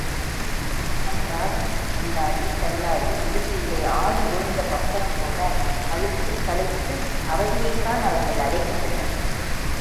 அன்றாடம் அல்லாடி, தள்ளாடி இறுதியிலே ஆடி ஓய்ந்த பம்பரம் போல, அலுத்துக் களைத்துப் அவதியைத் தான் அவர்கள் அடைகின்றனர்.